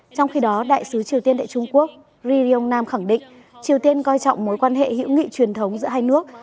trong khi đó đại sứ triều tiên tại trung quốc ri ryong nam khẳng định triều tiên coi trọng mối quan hệ hữu nghị truyền thống giữa hai nước